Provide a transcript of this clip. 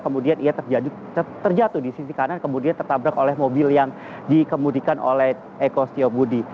kemudian ia terjatuh di sisi kanan kemudian tertabrak oleh mobil yang dikemudikan oleh eko stiobudi